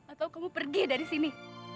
atau kamu pergi dari sini